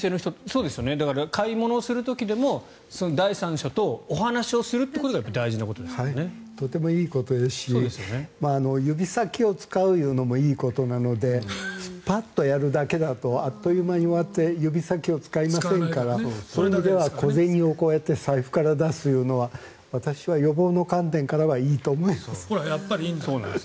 買い物する時でも第三者とお話をすることがとてもいいことですし指先を使うのもいいことなのでパッとやるだけだとあっという間に終わって指先を使いませんからそういう意味では小銭をこうやって財布から出すというのは私は予防の観点からはいいと思います。